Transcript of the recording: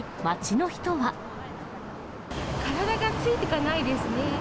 体がついてかないですね。